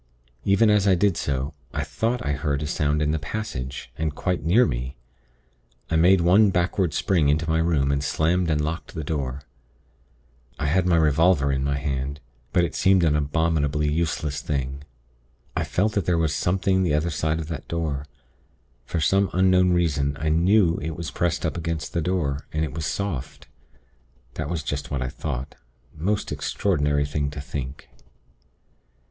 Even as I did so, I thought I heard a sound in the passage, and quite near me. I made one backward spring into my room, and slammed and locked the door. I sat on my bed, and stared at the door. I had my revolver in my hand; but it seemed an abominably useless thing. I felt that there was something the other side of that door. For some unknown reason I knew it was pressed up against the door, and it was soft. That was just what I thought. Most extraordinary thing to think.